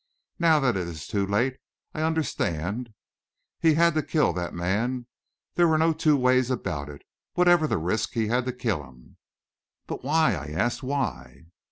Now that it is too late, I understand. He had to kill that man; there were no two ways about it. Whatever the risk, he had to kill him." "But why?" I asked. "Why?"